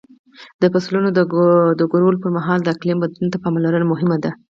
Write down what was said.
د فصلونو د کرلو پر مهال د اقلیم بدلون ته پاملرنه مهمه ده.